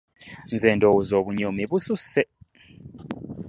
Nze ndowooza obunyoomi bususse.